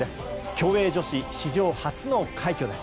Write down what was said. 競泳女子史上初の快挙です。